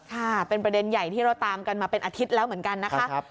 ค่ะเป็นประเด็นใหญ่ที่เราตามกันมาเป็นอาทิตย์แล้วเหมือนกันนะคะ